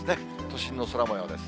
都心の空もようです。